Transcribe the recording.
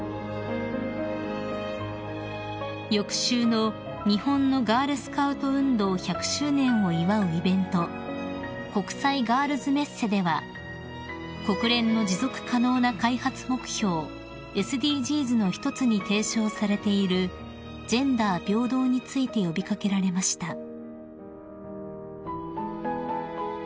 ［翌週の日本のガールスカウト運動１００周年を祝うイベント国際ガールズメッセでは国連の持続可能な開発目標ＳＤＧｓの一つに提唱されているジェンダー平等について呼び掛けられました］